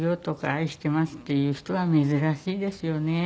「愛してます」って言う人は珍しいですよね。